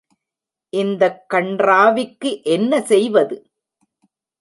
இந்தக் கண்றாவிக்கு என்ன செய்வது?